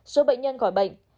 một số bệnh nhân khỏi bệnh